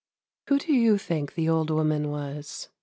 Who do you think the old woman was?